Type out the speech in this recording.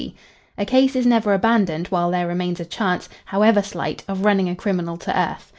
D. A case is never abandoned while there remains a chance, however slight, of running a criminal to earth.